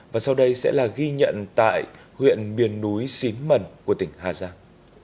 và sau đây sẽ là ghi nhận tại huyện miền núi xín mần của tỉnh hà giang